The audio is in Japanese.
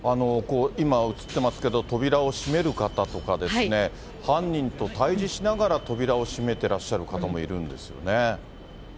今、写ってますけど、扉を閉める方ですとかですね、犯人と対じしながら扉を閉めてらっしゃる方もいるんですよね。